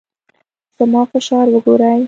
زما فشار وګورئ.